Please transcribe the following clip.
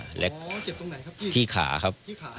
อ๋อเจ็บตรงไหนครับพี่